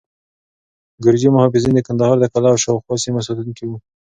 ګرجي محافظین د کندهار د قلعه او شاوخوا سیمو ساتونکي وو.